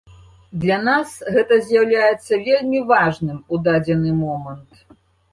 Для нас гэта з'яўляецца вельмі важным у дадзены момант.